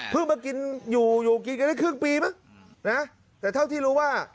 มากินอยู่อยู่กินกันได้ครึ่งปีมั้งนะแต่เท่าที่รู้ว่า